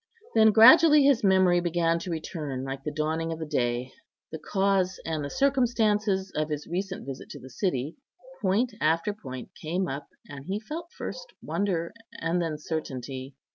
Then gradually his memory began to return like the dawning of the day; the cause and the circumstances of his recent visit to the city, point after point came up, and he felt first wonder, and then certainty.